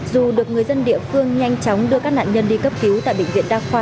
dù được người dân địa phương nhanh chóng đưa các nạn nhân đi cấp cứu tại bệnh viện đa khoa